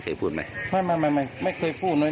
เคยพูดไหมไม่ไม่ไม่เคยพูดเลย